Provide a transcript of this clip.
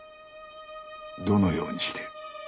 どのようにして？